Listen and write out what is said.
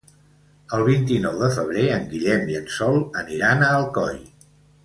El vint-i-nou de febrer en Guillem i en Sol aniran a Alcoi.